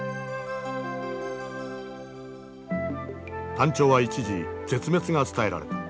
タンチョウは一時絶滅が伝えられた。